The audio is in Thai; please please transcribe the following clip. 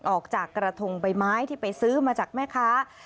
ออกจากกระทงใบไม้ที่ไปซื้อมาจากแม่ค้า